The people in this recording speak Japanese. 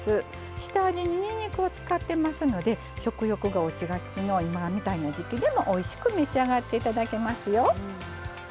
下味ににんにくを使っていますので食欲が落ちがちの今みたいな時季でもおいしく召し上がっていただけますよ。